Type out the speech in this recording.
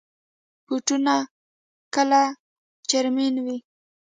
بوټونه کله چرمین وي.